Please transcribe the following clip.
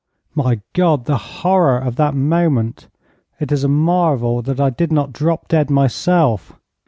My God! the horror of that moment! It is a marvel that I did not drop dead myself.